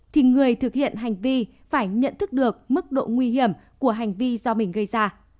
thì người thực hiện hành vi phải nhận thức được mức độ nguy hiểm của hành vi do mình gây ra